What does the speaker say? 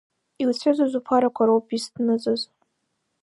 Иуцәыӡыз уԥарақәа роуп изҭныҵыз…